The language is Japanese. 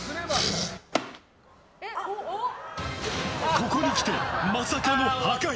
ここにきて、まさかの破壊。